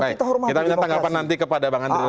kita akan menjawabkan nanti kepada bang andri